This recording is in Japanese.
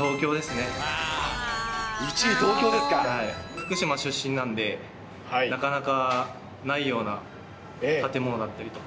福島出身なんで、なかなかないような建物だったりとか。